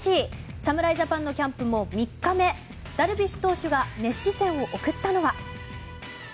侍ジャパンのキャンプも３日目ダルビッシュ投手が熱視線を送ったのは。